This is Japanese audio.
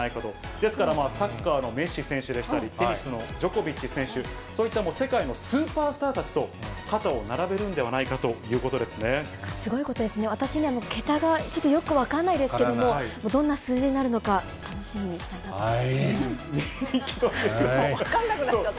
ですからサッカーのメッシ選手でしたり、テニスのジョコビッチ選手、そういった世界のスーパースターたちと肩を並べるんではないかとすごいことですね、私には桁がちょっとよく分からないですけれども、どんな数字になるのか、分かんなくなっちゃった。